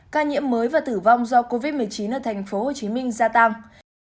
ca nhiễm mới và tử vong do covid một mươi chín ở tp hcm gia tăng